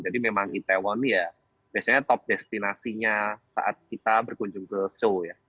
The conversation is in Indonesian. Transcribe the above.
jadi memang itaewon ya biasanya top destinasi nya saat kita berkunjung ke show ya